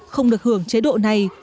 không được hưởng chế độ này